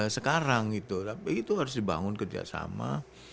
sekarang gitu tapi itu harus dibangun kerjasama